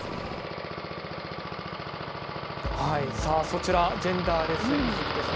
そちら、ジェンダーレス水着です。